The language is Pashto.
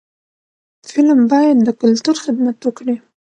فلم باید د کلتور خدمت وکړي